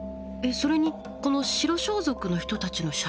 それにこの白装束の人たちの写真。